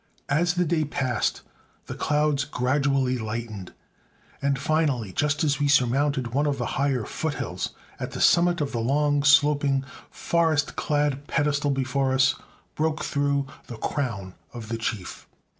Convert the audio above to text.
As the day passed, the clouds gradually lightened; and finally, just as we surmounted one of the higher foothills, at the summit of the long, sloping, forest clad pedestal before us broke through the crown of the Chief.